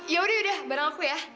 yaudah udah barang aku ya